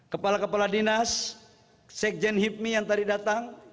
kepala kepala dinas sekjen hipmi yang tadi datang